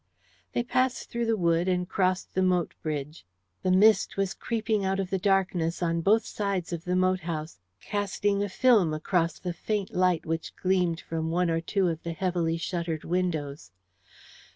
They passed through the wood, and crossed the moat bridge. The mist was creeping out of the darkness on both sides of the moat house, casting a film across the faint light which gleamed from one or two of the heavily shuttered windows.